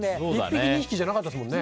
１匹２匹じゃなかったですもんね。